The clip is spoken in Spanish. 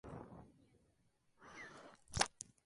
La especie no está amenazada.